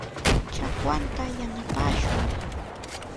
Chakwanta yanapashun.